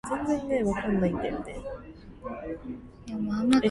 呢下送嘅，不另收費